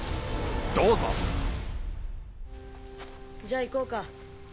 どうぞじゃあ行こうか。